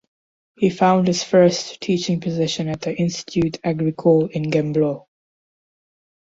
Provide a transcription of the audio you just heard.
He found his first teaching position at the Institute Agricole in Gembloux.